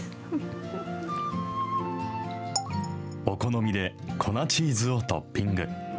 お好みで、粉チーズをトッピング。